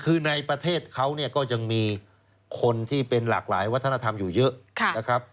คือในประเทศเขาก็ยังมีคนที่เป็นหลากหลายวัฒนธรรมอยู่เยอะนะครับ